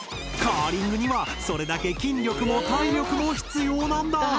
カーリングにはそれだけ筋力も体力も必要なんだ！